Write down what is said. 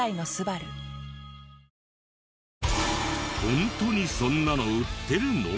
ホントにそんなの売ってるの？